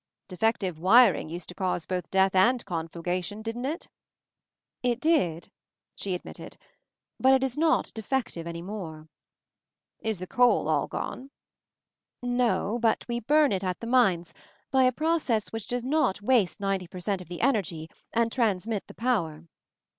"Defective wiring used to cause both death and conflagration, didn't it?" "It did," she admitted; "but it is not 'de fective' any more." Is the coal aU gone?" if 60 MOVING THE MOUNTAIN "No, but we burn it at the mines — by a process which does not waste ninety per cent of the energy — and transmit the power."